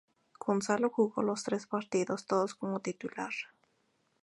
Gonzalo jugó los tres partidos, todos como titular.